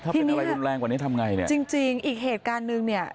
ถ้าเป็นอะไรรุนแรงกว่านี้ทำไงเนี่ยจริงจริงอีกเหตุการณ์หนึ่งเนี่ย